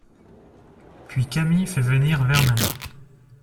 Puis Camille fait venir Werner.